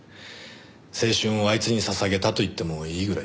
青春をあいつに捧げたと言ってもいいぐらいです。